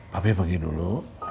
papi pergi dulu